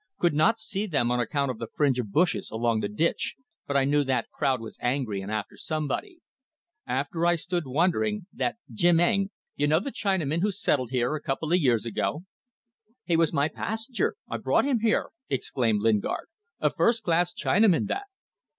Could not see them on account of the fringe of bushes along the ditch, but I knew that crowd was angry and after somebody. As I stood wondering, that Jim Eng you know the Chinaman who settled here a couple of years ago?" "He was my passenger; I brought him here," exclaimed Lingard. "A first class Chinaman that."